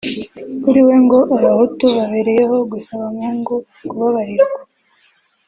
kuri we ngo Abahutu babereyeho gusaba mungu kubabarirwa